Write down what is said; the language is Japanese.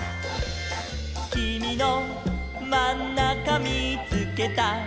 「きみのまんなかみーつけた」